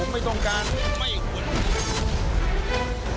ไม่ควร